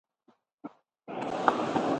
فرصتونه باید ایجاد شي.